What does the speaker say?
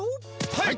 はい！